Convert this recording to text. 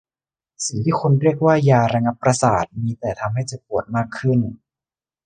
สิ่งที่คุณเรียกว่ายาระงับประสาทมีแต่ทำให้เจ็บปวดมากขึ้น